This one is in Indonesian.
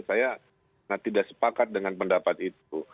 saya tidak sepakat dengan pendapat itu